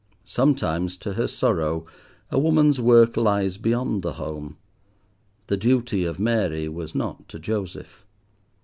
Sometimes to her sorrow, a woman's work lies beyond the home. The duty of Mary was not to Joseph.